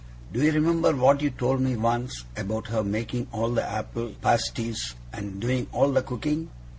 'Do you remember what you told me once, about her making all the apple parsties and doing all the cooking?